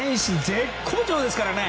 絶好調ですからね。